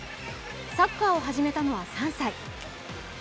サッカーを始めたのは３歳。